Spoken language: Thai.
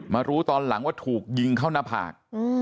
รู้ตอนหลังว่าถูกยิงเข้าหน้าผาก